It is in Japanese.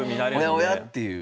おやおやっていう。